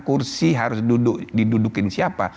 kursi harus duduk didudukin siapa